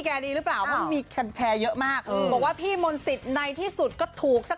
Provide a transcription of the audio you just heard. แกดีหรือเปล่าเครียร์เยอะมากว่าพี่มนติศในที่สุดก็ถูกสัก